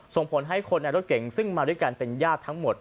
ส่งผลให้คนในรถเก่งซึ่งมาด้วยกันเป็นญาติทั้งหมด